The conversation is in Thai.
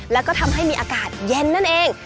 แล้วก็ทำให้มีอากาศเย็นนั่นเอง